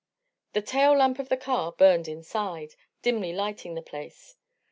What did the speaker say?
The tail lamp of the car burned inside, dimly lighting the place.